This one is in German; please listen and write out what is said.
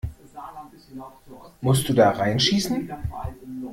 Musst du da rein schießen?